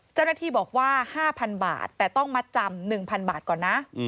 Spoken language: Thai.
เจ้าหน้าที่บอกว่า๕๐๐บาทแต่ต้องมัดจำ๑๐๐บาทก่อนนะ